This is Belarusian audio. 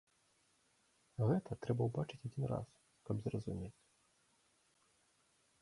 Гэта трэба ўбачыць адзін раз, каб зразумець.